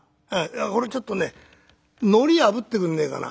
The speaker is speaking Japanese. これちょっとねのりあぶってくんねえかな」。